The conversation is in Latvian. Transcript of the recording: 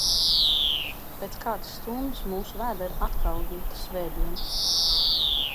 Pēc kādas stundas mūsu vēderi atkal juta svētdienu.